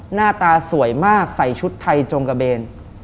หน้าตาสวยมากใส่ชุดไทยจงกระเบน